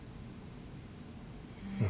うん。